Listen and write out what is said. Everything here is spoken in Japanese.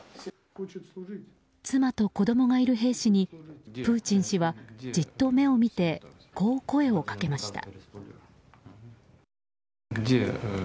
妻と子供がいる兵士にプーチン氏はじっと目を見てこう声をかけました。